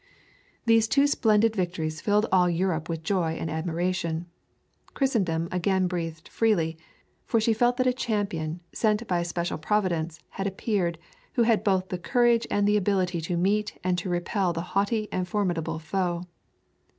These two splendid victories filled all Europe with joy and admiration. Christendom again breathed freely; for she felt that a champion, sent by a special Providence, had appeared, who had both the courage and the ability to meet and to repel the haughty and formidable foe.